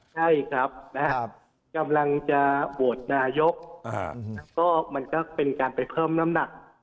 ใช่ครับกำลังจะโหวตนายกก็มันก็เป็นการไปเพิ่มน้ำหนัก